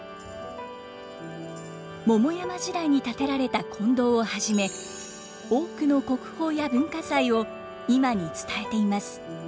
桃山時代に建てられた金堂をはじめ多くの国宝や文化財を今に伝えています。